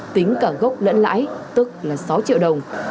tính cả gốc lẫn lãi tức là sáu triệu đồng